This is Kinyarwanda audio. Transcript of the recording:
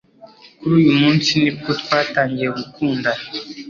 Kuri uyu munsi, nibwo twatangiye gukundana